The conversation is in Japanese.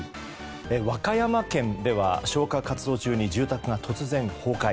和歌山県では消火活動中に住宅が突然、崩壊。